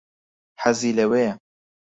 حەزی لەوەیە.